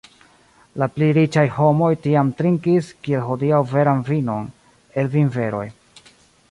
La pli riĉaj homoj tiam trinkis, kiel hodiaŭ veran vinon el vinberoj.